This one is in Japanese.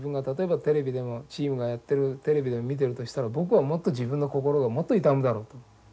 例えばテレビでもチームがやってるテレビでも見てるとしたら僕はもっと自分の心がもっと痛むだろうと。